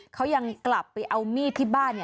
เขายังกลับไปเอามีดที่บ้าน